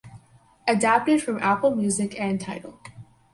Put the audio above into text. Adapted from Apple Music and Tidal.